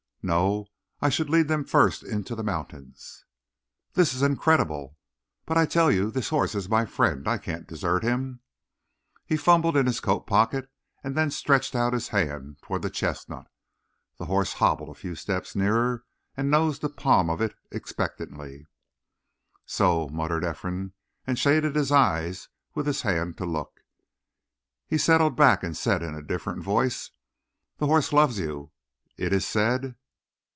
"No; I should lead them first into the mountains." "This is incredible! But I tell you, this horse is my friend I can't desert him!" He fumbled in his coat pocket and then stretched out his hand toward the chestnut; the horse hobbled a few steps nearer and nosed the palm of it expectantly. "So!" muttered Ephraim, and shaded his eyes with his hand to look. He settled back and said in a different voice: "The horse loves you; it is said."